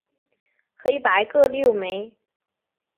黑白各六枚。